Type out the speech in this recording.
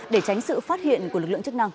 để tránh sự phát hiện của lực lượng chức năng